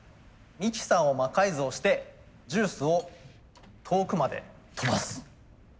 ミキサーを魔改造してジュースを遠くまで飛ばす。